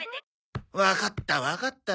わかったわかった。